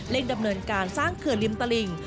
เร่งดำเนินการสร้างเขือริมตะลิง